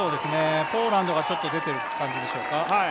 ポーランドがちょっと出ている感じでしょうか。